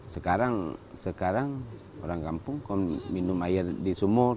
sekarang sekarang orang kampung minum air di sumur